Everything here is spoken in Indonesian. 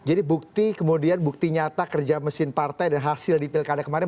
jadi bukti kemudian bukti nyata kerja mesin partai dan hasil di pilkada kemarin